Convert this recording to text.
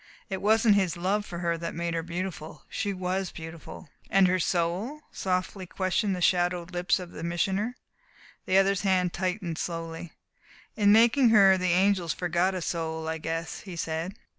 It wasn't his love for her that made her beautiful. She was beautiful." "And her soul?" softly questioned the shadowed lips of the Missioner. The other's hand tightened slowly. "In making her the angels forgot a soul, I guess," he said.